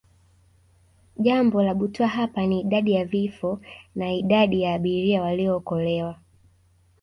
Jambo la butwaa hapa ni Idadi ya vifo na idadi ya abiria waliookolewa